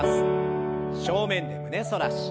正面で胸反らし。